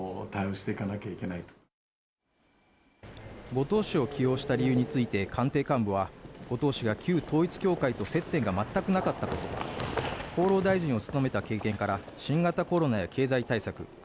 後藤氏を起用した理由について官邸幹部は後藤氏が旧統一教会と接点が全くなかったこと厚労大臣を務めた経験から新型コロナや経済対策